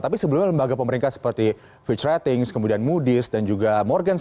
tapi sebelumnya lembaga pemerintah seperti fitch ratings kemudian moody's dan juga morgan's